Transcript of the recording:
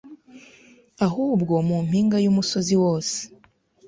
Ahubwo mu mpinga y’umusozi wose